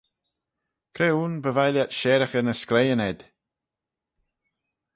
Cre ayn by vie lhiat sharaghey ny schleiyn ayd?